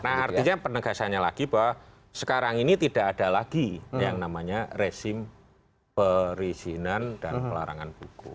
nah artinya penegasannya lagi bahwa sekarang ini tidak ada lagi yang namanya resim perizinan dan pelarangan buku